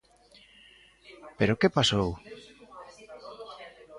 ¿Pero que pasou?